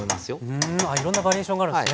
うんいろんなバリエーションがあるんですね。